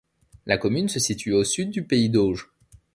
La commune se situe au sud du pays d'Auge.